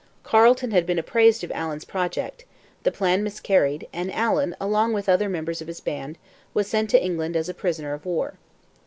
Carleton had been apprised of Allen's project; the plan miscarried, and Allen, along with other members of his band, was sent to England as a prisoner of war.